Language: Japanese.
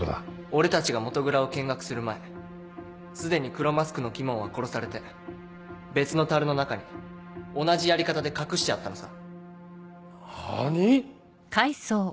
俺たちが元蔵を見学する前既に黒マスクの鬼門は殺されて別の樽の中に同じやり方で隠してあったのさ。